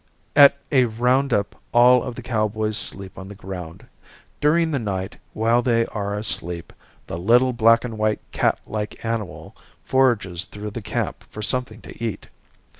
At a round up all of the cowboys sleep on the ground. During the night, while they are asleep, the little black and white cat like animal forages through the camp for something to eat.